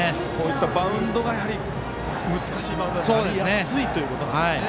バウンドが難しいバウンドになりやすいということですね